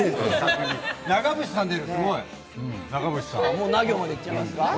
もうナ行までいっちゃうんですか。